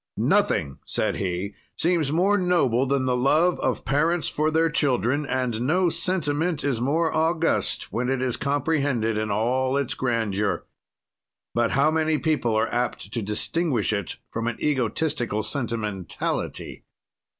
"Nothing" said he, "seems more noble than the love of parents for their children, and no sentiment is more august when it is comprehended in all its grandeur. "But how many people are apt to distinguish it from an egotistical sentimentality.